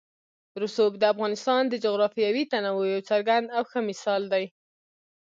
رسوب د افغانستان د جغرافیوي تنوع یو څرګند او ښه مثال دی.